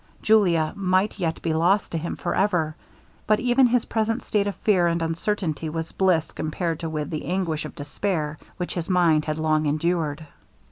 Julia might yet be lost to him for ever. But even his present state of fear and uncertainty was bliss compared with the anguish of despair, which his mind had long endured.